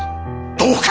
どうか！